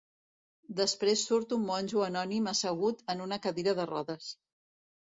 Després surt un monjo anònim assegut en una cadira de rodes.